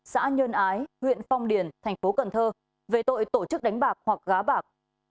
xã nhơn ái huyện phong điền thành phố cần thơ về tội tổ chức đánh bạc hoặc gá bạc